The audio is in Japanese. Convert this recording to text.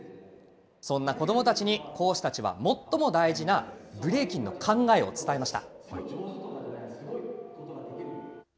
そんな子どもたちに講師たちは最も大事なブレイキンの考えを伝えました。